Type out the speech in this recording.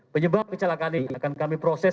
penyebab kecelakaan ini akan kami proses